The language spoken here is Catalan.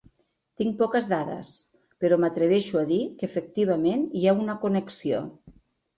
Tinc poques dades, però m’atreveixo a dir que efectivament hi ha una connexió.